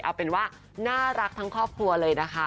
เอาเป็นว่าน่ารักทั้งครอบครัวเลยนะคะ